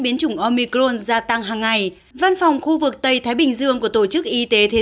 biến chủng omicron gia tăng hàng ngày văn phòng khu vực tây thái bình dương của tổ chức y tế thế